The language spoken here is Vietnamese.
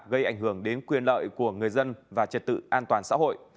gây ảnh hưởng đến quyền lợi của người dân và trật tự an toàn xã hội